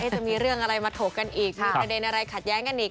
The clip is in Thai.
จะมีเรื่องอะไรมาถกกันอีกมีประเด็นอะไรขัดแย้งกันอีก